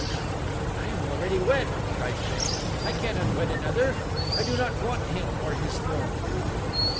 "But I am already wed," cried Jane. "I cannot wed another. I do not want him or his throne."